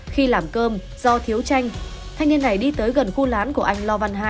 khi làm cơm do thiếu chanh thanh niên này đi tới gần khu lán của anh lo văn ii hái quả